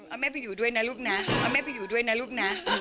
เอาแม่ไปอยู่ด้วยนะลูกนะเอาแม่ไปอยู่ด้วยนะลูกนะ